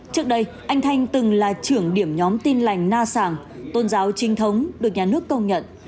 trước đây anh thanh từng là trưởng điểm nhóm tin lành na sàng tôn giáo trinh thống được nhà nước công nhận